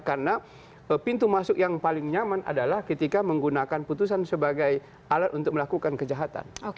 karena pintu masuk yang paling nyaman adalah ketika menggunakan putusan sebagai alat untuk melakukan kejahatan